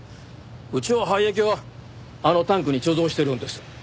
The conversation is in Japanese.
うちは廃液はあのタンクに貯蔵してるんです。